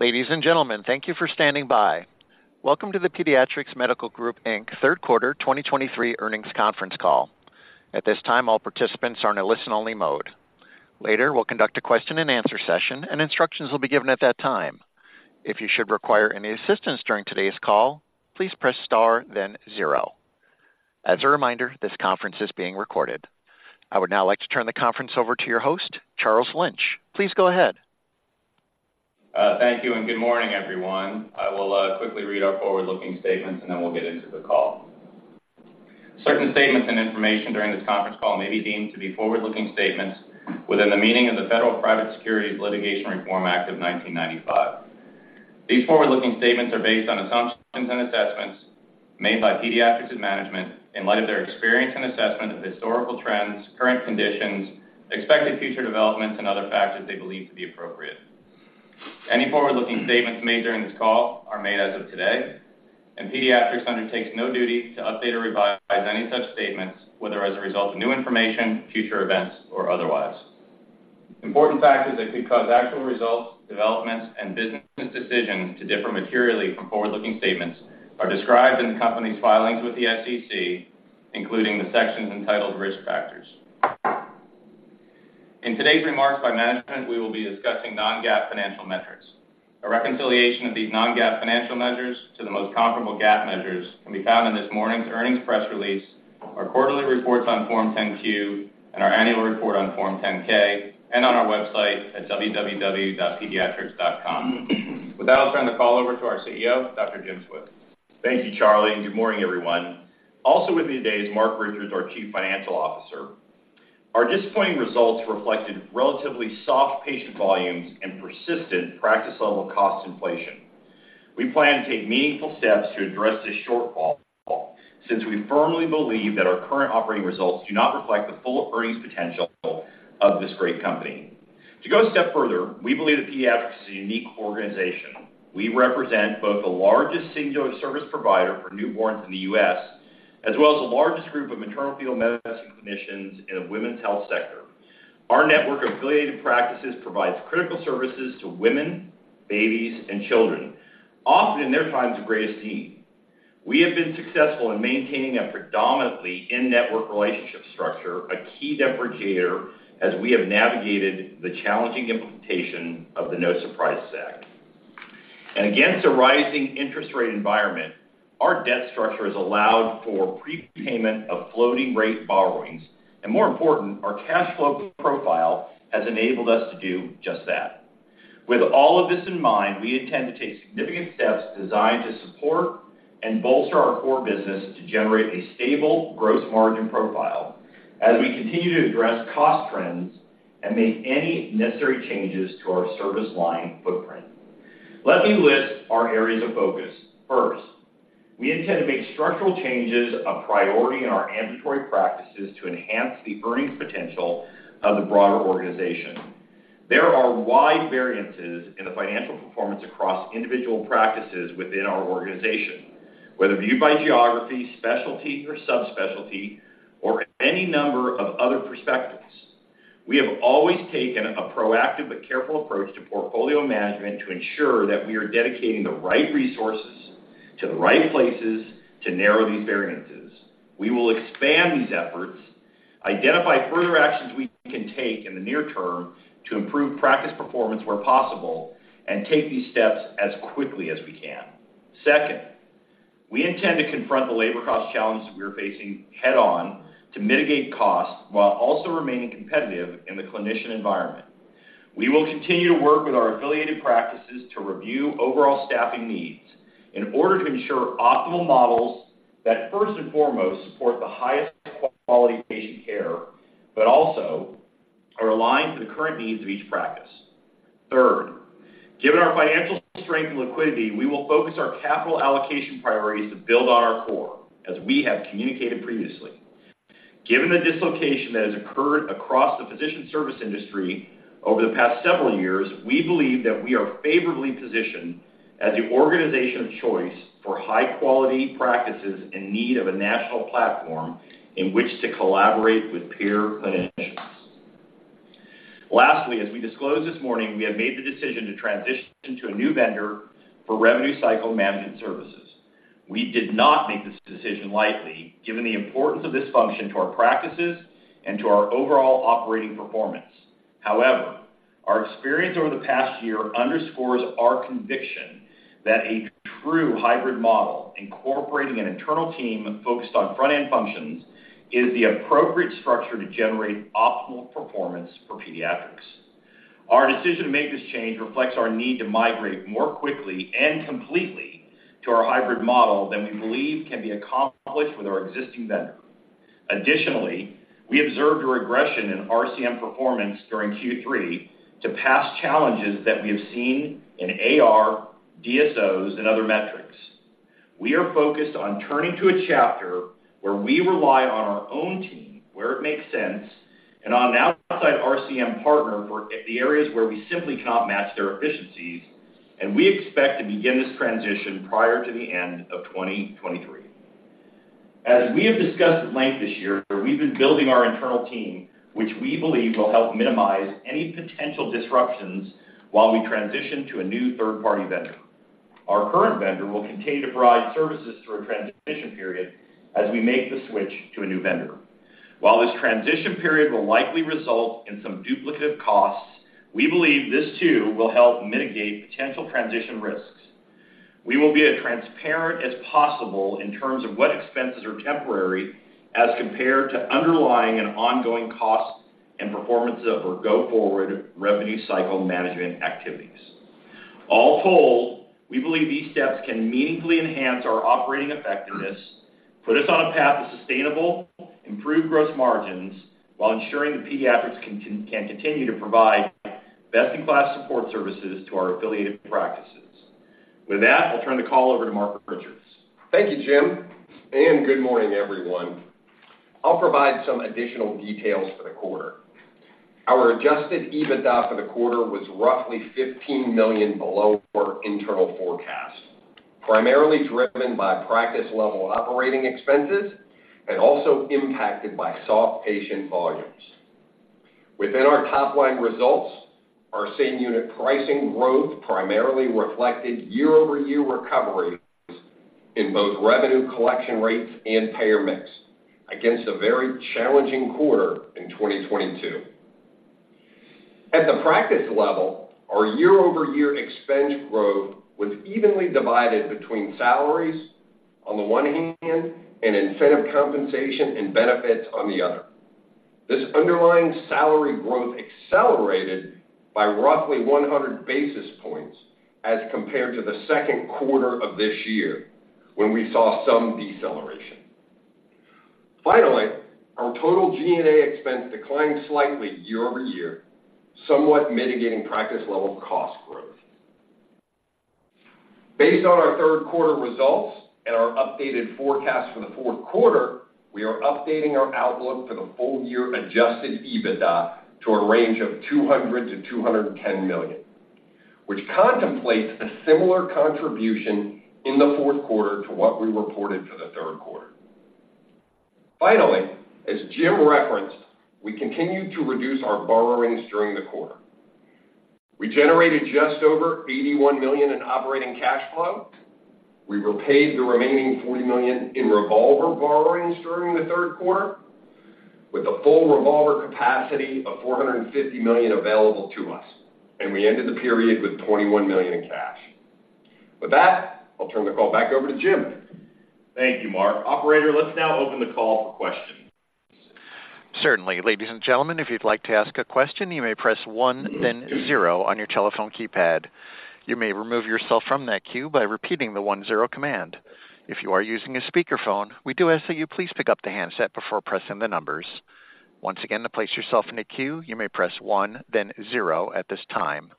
Ladies and gentlemen, thank you for standing by. Welcome to the Pediatrix Medical Group Inc third quarter 2023 earnings conference call. At this time, all participants are in a listen-only mode. Later, we'll conduct a question-and-answer session, and instructions will be given at that time. If you should require any assistance during today's call, please press star then zero. As a reminder, this conference is being recorded. I would now like to turn the conference over to your host, Charles Lynch. Please go ahead. Thank you and good morning, everyone. I will quickly read our forward-looking statements, and then we'll get into the call. Certain statements and information during this conference call may be deemed to be forward-looking statements within the meaning of the Private Securities Litigation Reform Act of 1995. These forward-looking statements are based on assumptions and assessments made by Pediatrix's management in light of their experience and assessment of historical trends, current conditions, expected future developments, and other factors they believe to be appropriate. Any forward-looking statements made during this call are made as of today, and Pediatrix undertakes no duty to update or revise any such statements, whether as a result of new information, future events, or otherwise. Important factors that could cause actual results, developments, and business decisions to differ materially from forward-looking statements are described in the company's filings with the SEC, including the sections entitled Risk Factors. In today's remarks by management, we will be discussing non-GAAP financial metrics. A reconciliation of these non-GAAP financial measures to the most comparable GAAP measures can be found in this morning's earnings press release, our quarterly reports on Form 10-Q and our annual report on Form 10-K, and on our website at www.pediatrix.com. With that, I'll turn the call over to our CEO, Dr. Jim Swift. Thank you, Charlie, and good morning, everyone. Also with me today is Marc Richards, our Chief Financial Officer. Our disappointing results reflected relatively soft patient volumes and persistent practice-level cost inflation. We plan to take meaningful steps to address this shortfall since we firmly believe that our current operating results do not reflect the full earnings potential of this great company. To go a step further, we believe that Pediatrix is a unique organization. We represent both the largest single service provider for newborns in the U.S., as well as the largest group of maternal-fetal medicine clinicians in the women's health sector. Our network of affiliated practices provides critical services to women, babies, and children, often in their times of greatest need. We have been successful in maintaining a predominantly in-network relationship structure, a key differentiator as we have navigated the challenging implementation of the No Surprises Act. Against a rising interest rate environment, our debt structure has allowed for prepayment of floating rate borrowings, and more important, our cash flow profile has enabled us to do just that. With all of this in mind, we intend to take significant steps designed to support and bolster our core business to generate a stable gross margin profile as we continue to address cost trends and make any necessary changes to our service line footprint. Let me list our areas of focus. First, we intend to make structural changes a priority in our ambulatory practices to enhance the earnings potential of the broader organization. There are wide variances in the financial performance across individual practices within our organization, whether viewed by geography, specialty or subspecialty, or any number of other perspectives. We have always taken a proactive but careful approach to portfolio management to ensure that we are dedicating the right resources to the right places to narrow these variances. We will expand these efforts, identify further actions we can take in the near term to improve practice performance where possible, and take these steps as quickly as we can. Second, we intend to confront the labor cost challenges we are facing head-on to mitigate costs while also remaining competitive in the clinician environment. We will continue to work with our affiliated practices to review overall staffing needs in order to ensure optimal models that first and foremost, support the highest quality patient care, but also are aligned to the current needs of each practice. Third, given our financial strength and liquidity, we will focus our capital allocation priorities to build on our core, as we have communicated previously. Given the dislocation that has occurred across the physician service industry over the past several years, we believe that we are favorably positioned as the organization of choice for high-quality practices in need of a national platform in which to collaborate with peer clinicians. Lastly, as we disclosed this morning, we have made the decision to transition to a new vendor for revenue cycle management services. We did not make this decision lightly, given the importance of this function to our practices and to our overall operating performance. However, our experience over the past year underscores our conviction that a true hybrid model, incorporating an internal team focused on front-end functions, is the appropriate structure to generate optimal performance for Pediatrix. Our decision to make this change reflects our need to migrate more quickly and completely to our hybrid model than we believe can be accomplished with our existing vendor. Additionally, we observed a regression in RCM performance during Q3 to past challenges that we have seen in AR, DSOs, and other metrics. We are focused on turning to a chapter where we rely on our own team, where it makes sense, and on an outside RCM partner for the areas where we simply cannot match their efficiencies, and we expect to begin this transition prior to the end of 2023. As we have discussed at length this year, we've been building our internal team, which we believe will help minimize any potential disruptions while we transition to a new third-party vendor. Our current vendor will continue to provide services through a transition period as we make the switch to a new vendor. While this transition period will likely result in some duplicative costs, we believe this too, will help mitigate potential transition risks. We will be as transparent as possible in terms of what expenses are temporary, as compared to underlying and ongoing costs and performance of our go-forward revenue cycle management activities. All told, we believe these steps can meaningfully enhance our operating effectiveness, put us on a path to sustainable, improved gross margins, while ensuring that Pediatrix can continue to provide best-in-class support services to our affiliated practices. With that, I'll turn the call over to Marc Richards. Thank you, Jim, and good morning, everyone. I'll provide some additional details for the quarter. Our Adjusted EBITDA for the quarter was roughly $15 million below our internal forecast, primarily driven by practice-level operating expenses and also impacted by soft patient volumes. Within our top-line results, our same-unit pricing growth primarily reflected year-over-year recovery in both revenue collection rates and payer mix, against a very challenging quarter in 2022. At the practice level, our year-over-year expense growth was evenly divided between salaries on the one hand and incentive compensation and benefits on the other. This underlying salary growth accelerated by roughly 100 basis points as compared to the second quarter of this year, when we saw some deceleration. Finally, our total G&A expense declined slightly year-over-year, somewhat mitigating practice level cost growth. Based on our third quarter results and our updated forecast for the fourth quarter, we are updating our outlook for the full year Adjusted EBITDA to a range of $200 million-$210 million, which contemplates a similar contribution in the fourth quarter to what we reported for the third quarter. Finally, as Jim referenced, we continued to reduce our borrowings during the quarter. We generated just over $81 million in operating cash flow. We repaid the remaining $40 million in revolver borrowings during the third quarter, with a full revolver capacity of $450 million available to us, and we ended the period with $21 million in cash. With that, I'll turn the call back over to Jim. Thank you, Marc. Operator, let's now open the call for questions. Certainly. Ladies and gentlemen, if you'd like to ask a question, you may press one, then zero on your telephone keypad. You may remove yourself from that queue by repeating the one, zero command. If you are using a speakerphone, we do ask that you please pick up the handset before pressing the numbers. Once again, to place yourself in a queue, you may press one, then zero at this time.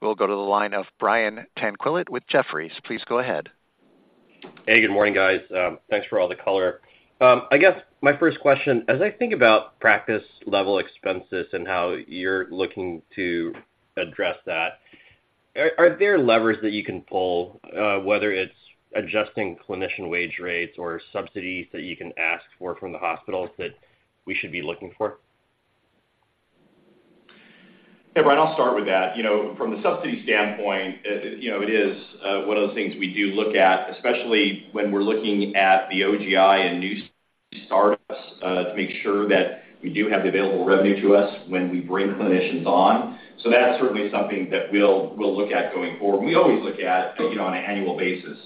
We'll go to the line of Brian Tanquilut with Jefferies. Please go ahead. Hey, good morning, guys. Thanks for all the color. I guess my first question, as I think about practice-level expenses and how you're looking to address that, are there levers that you can pull, whether it's adjusting clinician wage rates or subsidies that you can ask for from the hospitals that we should be looking for? Hey, Brian, I'll start with that. You know, from the subsidy standpoint, you know, it is, one of those things we do look at, especially when we're looking at the OGI and new startups, to make sure that we do have the available revenue to us when we bring clinicians on. So that's certainly something that we'll, we'll look at going forward. We always look at, you know, on an annual basis.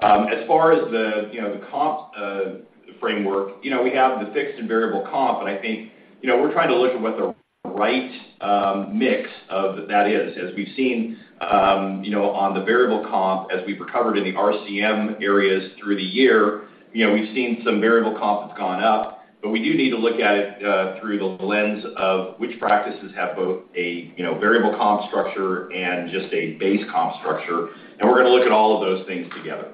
As far as the, you know, the comp, framework, you know, we have the fixed and variable comp, but I think, you know, we're trying to look at what the right, mix of that is. As we've seen, you know, on the variable comp, as we've recovered in the RCM areas through the year, you know, we've seen some variable comp that's gone up, but we do need to look at it, through the lens of which practices have both a, you know, variable comp structure and just a base comp structure, and we're gonna look at all of those things together.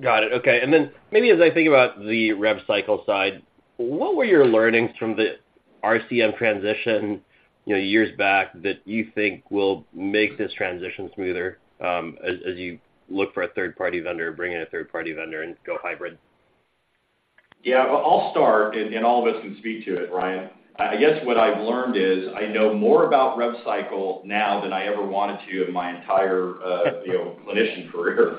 Got it. Okay. And then maybe as I think about the rev cycle side, what were your learnings from the RCM transition, you know, years back that you think will make this transition smoother, as you look for a third-party vendor, bring in a third-party vendor and go hybrid? Yeah, I'll start, and all of us can speak to it, Brian. I guess what I've learned is I know more about rev cycle now than I ever wanted to in my entire, you know, clinician career.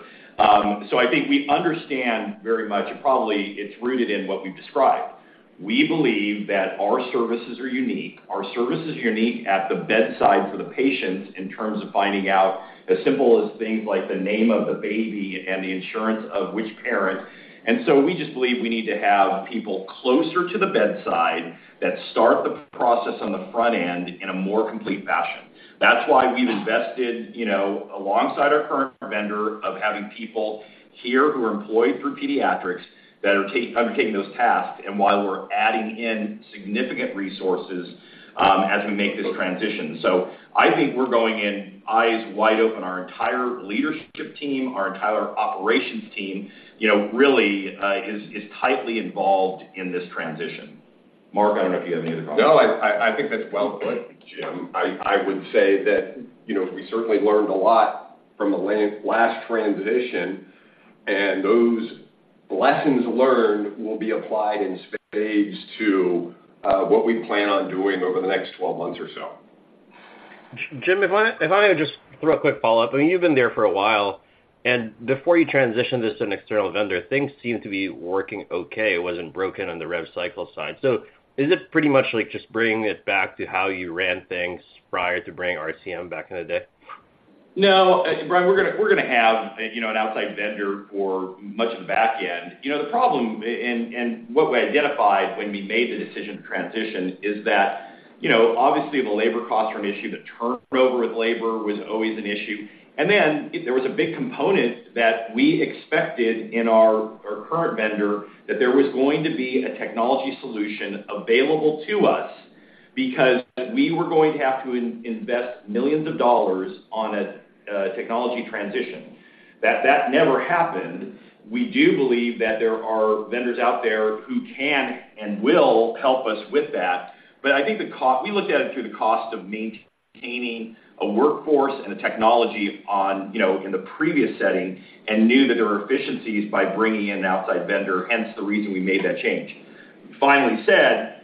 So I think we understand very much, and probably it's rooted in what we've described. We believe that our services are unique. Our service is unique at the bedside for the patients in terms of finding out as simple as things like the name of the baby and the insurance of which parent, and so we just believe we need to have people closer to the bedside that start the process on the front end in a more complete fashion. That's why we've invested, you know, alongside our current vendor, of having people here who are employed through Pediatrix, that are undertaking those tasks and while we're adding in significant resources, as we make this transition. So I think we're going in eyes wide open. Our entire leadership team, our entire operations team, you know, really, is tightly involved in this transition.... Marc, I don't know if you have any other comments? No, I think that's well put, Jim. I would say that, you know, we certainly learned a lot from the last transition, and those lessons learned will be applied in spades to what we plan on doing over the next 12 months or so. Jim, if I may just throw a quick follow-up. I mean, you've been there for a while, and before you transitioned this to an external vendor, things seemed to be working okay. It wasn't broken on the rev cycle side. So is it pretty much like just bringing it back to how you ran things prior to bringing RCM back in the day? No, Brian, we're gonna, we're gonna have, you know, an outside vendor for much of the back end. You know, the problem, and what we identified when we made the decision to transition, is that, you know, obviously, the labor costs are an issue. The turnover with labor was always an issue. And then there was a big component that we expected in our current vendor, that there was going to be a technology solution available to us because we were going to have to invest millions of dollars on a technology transition. That never happened. We do believe that there are vendors out there who can and will help us with that, but I think the cost, we looked at it through the cost of maintaining a workforce and the technology on, you know, in the previous setting and knew that there were efficiencies by bringing in an outside vendor, hence the reason we made that change. Finally said,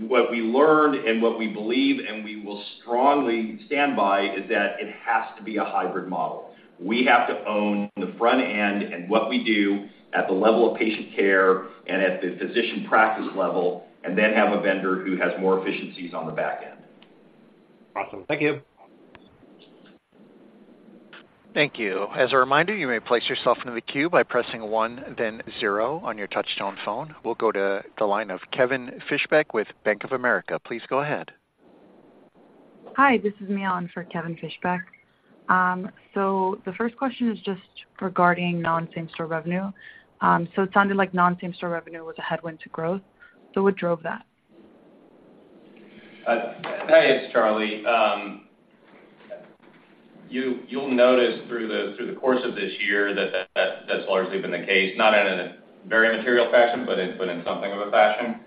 what we learned and what we believe, and we will strongly stand by, is that it has to be a hybrid model. We have to own the front end and what we do at the level of patient care and at the physician practice level, and then have a vendor who has more efficiencies on the back end. Awesome. Thank you. Thank you. As a reminder, you may place yourself in the queue by pressing one, then zero on your touchtone phone. We'll go to the line of Kevin Fischbeck with Bank of America. Please go ahead. Hi, this is Mian for Kevin Fischbeck. The first question is just regarding non-same-store revenue. It sounded like non-same-store revenue was a headwind to growth, so what drove that? Hey, it's Charlie. You'll notice through the course of this year that that's largely been the case, not in a very material fashion, but in something of a fashion.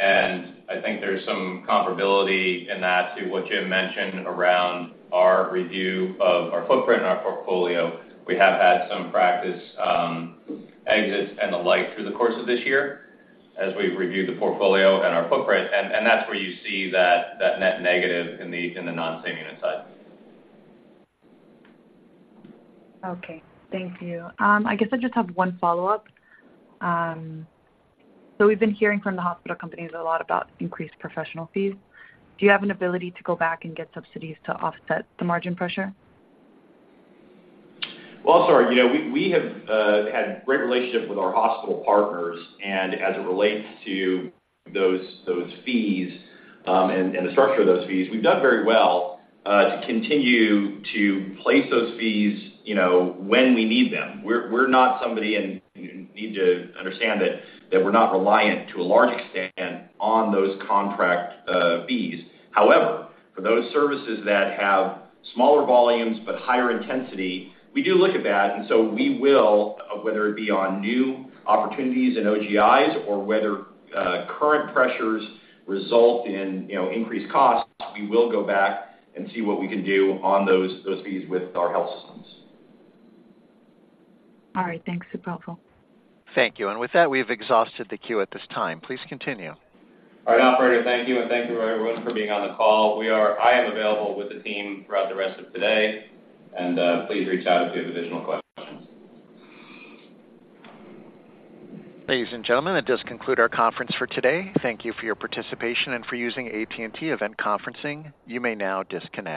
And I think there's some comparability in that to what Jim mentioned around our review of our footprint and our portfolio. We have had some practice exits and the like through the course of this year, as we've reviewed the portfolio and our footprint, and that's where you see that net negative in the non-same unit side. Okay. Thank you. I guess I just have one follow-up. So we've been hearing from the hospital companies a lot about increased professional fees. Do you have an ability to go back and get subsidies to offset the margin pressure? Well, sorry. You know, we have had great relationships with our hospital partners, and as it relates to those fees, and the structure of those fees, we've done very well to continue to place those fees, you know, when we need them. We're not somebody, and you need to understand that we're not reliant to a large extent on those contract fees. However, for those services that have smaller volumes but higher intensity, we do look at that, and so we will, whether it be on new opportunities in OGIs or whether current pressures result in, you know, increased costs, we will go back and see what we can do on those fees with our health systems. All right. Thanks, that's helpful. Thank you. With that, we have exhausted the queue at this time. Please continue. All right, Operator, thank you, and thank you everyone for being on the call. I am available with the team throughout the rest of today, and please reach out if you have additional questions. Ladies and gentlemen, that does conclude our conference for today. Thank you for your participation and for using AT&T Event Conferencing. You may now disconnect.